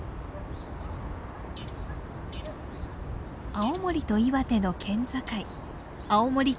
青森と岩手の県境青森県南部町。